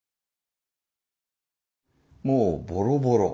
もうボロボロ。